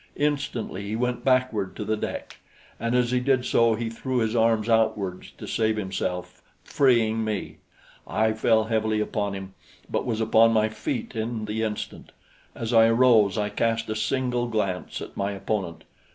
Instantly he went backward to the deck, and as he did so he threw his arms outwards to save himself, freeing me. I fell heavily upon him, but was upon my feet in the instant. As I arose, I cast a single glance at my opponent.